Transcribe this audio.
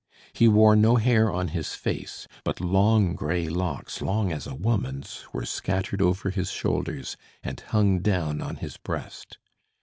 He wore no hair on his face; but long grey locks, long as a woman's, were scattered over his shoulders, and hung down on his breast.